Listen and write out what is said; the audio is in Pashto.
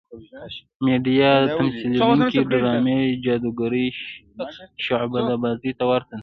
میډیا د تمثیلېدونکې ډرامې جادوګرې شعبده بازۍ ته ورته ده.